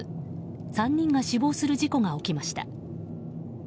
３人が死亡する事故が起きました。